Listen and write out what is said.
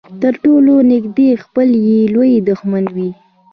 تر ټولو نږدې خپل يې لوی دښمن وي.